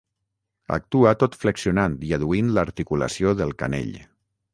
Actua tot flexionant i adduint l'articulació del canell.